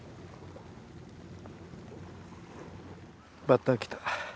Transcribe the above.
バッタ来た。